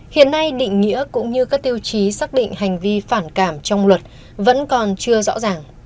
hiện nay định nghĩa cũng như các tiêu chí xác định hành vi phản cảm trong luật vẫn còn chưa rõ ràng